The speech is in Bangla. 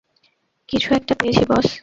কিছু একটা পেয়েছি বস।